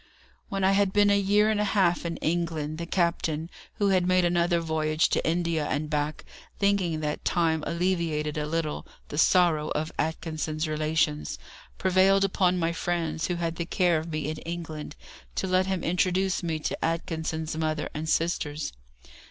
When I had been a year and a half in England, the captain, who had made another voyage to India and back, thinking that time alleviated a little the sorrow of Atkinson's relations, prevailed upon my friends who had the care of me in England to let him introduce me to Atkinson's mother and sisters.